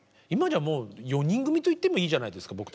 今じゃもう４人組と言ってもいいじゃないですか